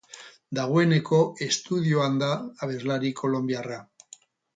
Dagoeneko estudioan da abeslari kolonbiarra.